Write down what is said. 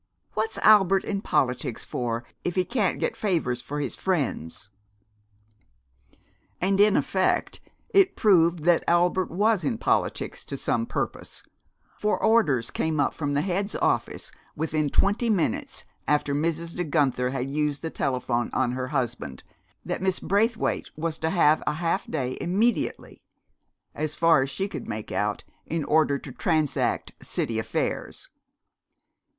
What's Albert in politics for, if he can't get favors for his friends!" And, in effect, it proved that Albert was in politics to some purpose, for orders came up from the Head's office within twenty minutes after Mrs. De Guenther had used the telephone on her husband, that Miss Braithwaite was to have a half day immediately as far as she could make out, in order to transact city affairs!